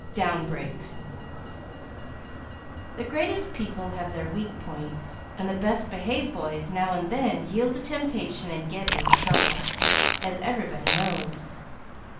"Down Brakes" The greatest people have their weak points, and the best behaved boys now and then yield to temptation and get into trouble, as everybody knows.